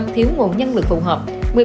một mươi một hai thiếu nguồn nhân lực phù hợp